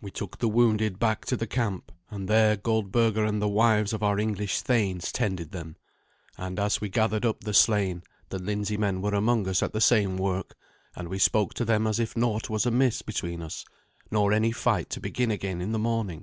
We took the wounded back to the camp, and there Goldberga and the wives of our English thanes tended them; and as we gathered up the slain the Lindsey men were among us at the same work, and we spoke to them as if naught was amiss between us, nor any fight to begin again in the morning.